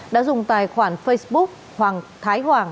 đã dùng tài khoản facebook hoàng thái hoàng